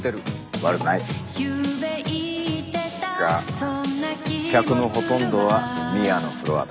悪くない。が客のほとんどはミアのフロアだ。